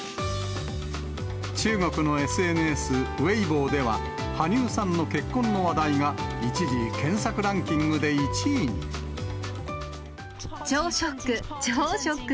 中国のＳＮＳ、ウェイボーでは、羽生さんの結婚の話題が一時、超ショック、超ショック。